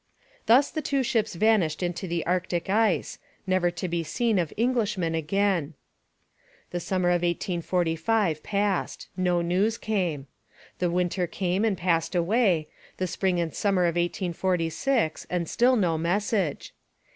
Thus the two ships vanished into the Arctic ice, never to be seen of Englishmen again. The summer of 1845 passed; no news came: the winter came and passed away; the spring and summer of 1846, and still no message.